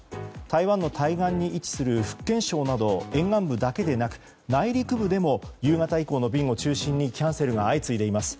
台湾の対岸に位置する福建省など沿岸部だけでなく内陸部でも夕方以降の便を中心にキャンセルが相次いでいます。